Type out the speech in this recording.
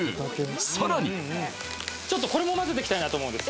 さらにちょっとこれも混ぜてきたいなと思うんです